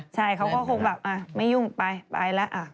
ใช่เขาก็คงแบบไม่ยุ่งไปไปแล้ว